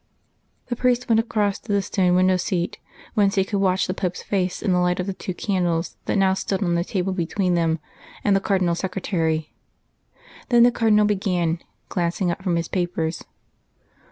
The priest went across to the stone window seat, whence he could watch the Pope's face in the light of the two candles that now stood on the table between him and the Cardinal Secretary. Then the Cardinal began, glancing up from his papers.